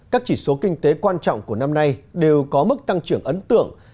các chỉ số kinh tế quan trọng của năm nay đều có mức tăng trưởng ấn tượng